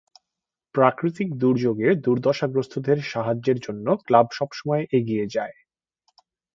প্রাকৃতিক দুর্যোগে দুর্দশাগ্রস্তদের সাহায্যের জন্য ক্লাব সবসময় এগিয়ে যায়।